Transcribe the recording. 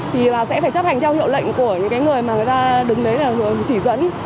thì là sẽ phải chấp hành theo hiệu lệnh của những người mà người ta đứng đấy là chỉ dẫn